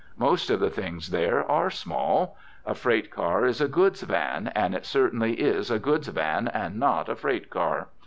Most of the things there are small. A freight car is a goods van, and it certainly is a goods van and not a freight car.